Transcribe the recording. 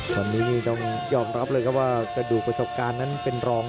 ตอนนี้นี่ต้องยอมรับเลยครับว่ากระดูกประสบการณ์นั้นเป็นรอง